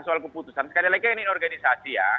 sekali lagi ini organisasi ya